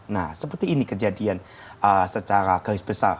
nah seperti ini kejadian secara garis besar